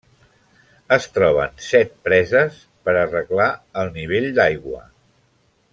Es troben set preses per a reglar el nivell d'aigua.